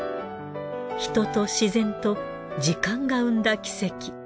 人と自然と時間が生んだ奇跡。